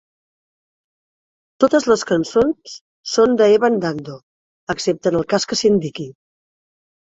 Totes les cançons són de Evan Dando, excepte en el cas que s'indiqui.